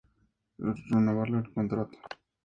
El Real Unión decidió no renovarle el contrato.